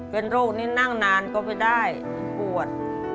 เป็นโรคนี้นั่งนานก็ไม่ได้ปวด